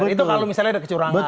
itu kalau misalnya ada kecurangan